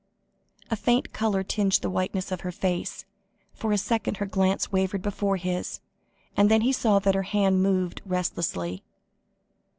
A faint colour tinged the whiteness of her face, for a second her glance wavered before his, and he saw that her hand moved restlessly.